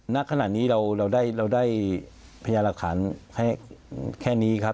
ณขณะนี้เราได้พยาหลักฐานให้แค่นี้ครับ